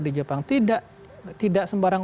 di jepang tidak sembarang